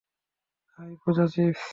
High Puja, chips?